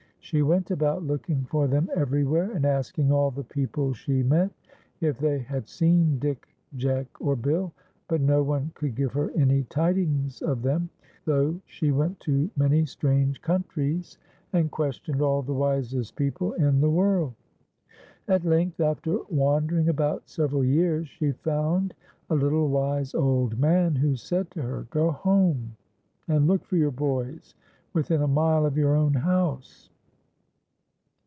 She went about looking for them everywhere, and asking all the people she met if they had seen Dick, Jack, or Bill ; but no one could give her any tidings of them, though she went to' many strange countries, and questioned all the wisest people in the world. At length, after wandering about several )ears, she found a little wise old man, who said to her: " Go home and look for your boys within a mile of your own house."